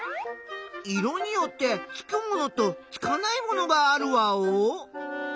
色によってつくものとつかないものがあるワオ？